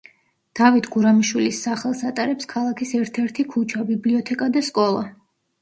დავით გურამიშვილის სახელს ატარებს ქალაქის ერთ-ერთი ქუჩა, ბიბლიოთეკა და სკოლა.